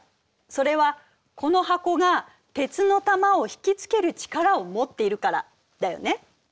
それはこの箱が鉄の球を引き付ける力を持っているからだよね？